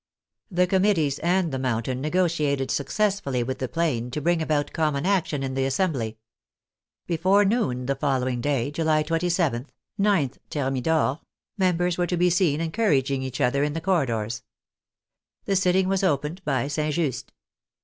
The Committees and the Mountain negotiated successfully with the Plain to bring about common action in the Assembly. Before noon the following day, July 27th (9th Thermidor), members were to be seen encouraging each other in the corridors. The sitting was opened by St. Just.